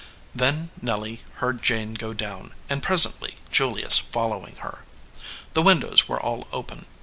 Then Nelly heard Jane go down, and presently Julius following her. The windows were all open.